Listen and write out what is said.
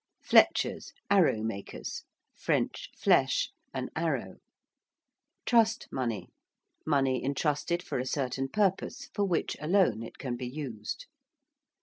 ~fletchers~: arrow makers. (French flèche, an arrow.) ~trust money~: money entrusted for a certain purpose for which alone it can be used.